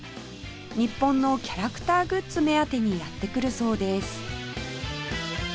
日本のキャラクターグッズ目当てにやって来るそうです